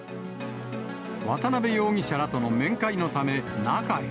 渡辺容疑者らとの面会のため、中へ。